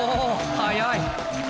速い！